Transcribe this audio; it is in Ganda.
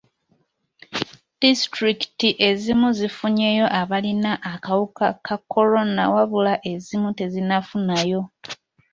Disitulikiti ezimu zifunyeeyo abalina akawuka ka kolona wabula ezimu tezinnafunayo.